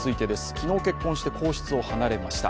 昨日結婚して皇室を離れました。